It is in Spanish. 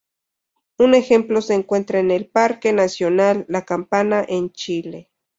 Un ejemplo se encuentra en el Parque Nacional La Campana en Chile.